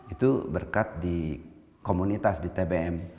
itu berkat di komunitas di tbm